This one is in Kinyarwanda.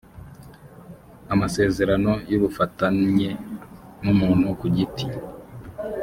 amasezerano y ubufatanye n umuntu ku giti